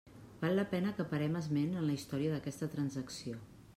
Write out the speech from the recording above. Val la pena que parem esment en la història d'aquesta transacció.